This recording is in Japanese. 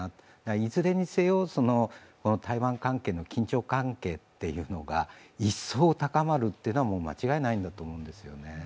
いずれにせよ、台湾関係の緊張関係というのが一層、高まるっていうのは間違いないんだと思うんですよね。